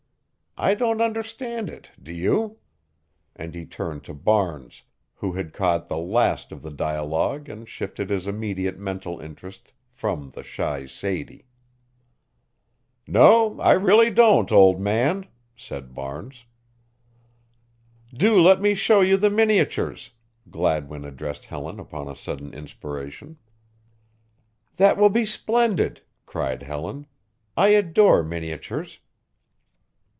I don't understand it, do you?" and he turned to Barnes, who had caught the last of the dialogue and shifted his immediate mental interest from the shy Sadie. "No, I really don't, old man," said Barnes. "Do let me show you the miniatures," Gladwin addressed Helen upon a sudden inspiration. "That will be splendid," cried Helen. "I adore miniatures."